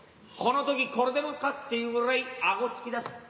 このときこれでもかっていうぐらい顎突き出す。